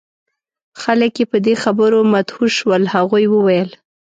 خلک یې په دې خبرو مدهوش شول. هغوی وویل: